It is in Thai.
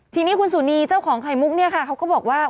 ทีนี้คุณสุนีเจ้าของไข่มุกเนี่ยค่ะเขาก็บอกว่า